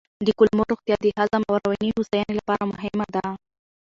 د کولمو روغتیا د هضم او رواني هوساینې لپاره مهمه ده.